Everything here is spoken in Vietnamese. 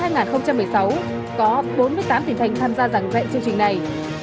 năm hai nghìn một mươi sáu có bốn mươi tám tỉnh thành tham gia giảng dạy chương trình này